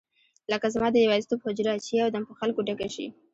لکه زما د یوازیتوب حجره چې یو دم په خلکو ډکه شي.